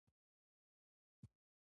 د موبایل سکرین په تیاره کې روښانه شو.